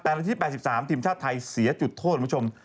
แต่นาที๘๓ทีมชาติไทยเสียจุดโทษคุณผู้ชม